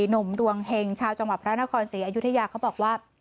หนุ่มดวงเห็งชาวจังหวัดพระนครศรีอยุธยาเขาบอกว่า